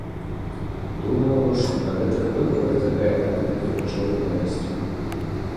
Думаю, што на гэтых выбарах такая тактыка нічога не дасць.